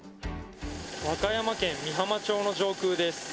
和歌山県美浜町の上空です。